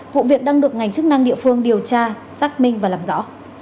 vụ việc đang được ngành chức năng địa phương điều tra xác minh và làm rõ